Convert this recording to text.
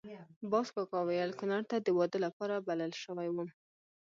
باز کاکا ویل کونړ ته د واده لپاره بلل شوی وم.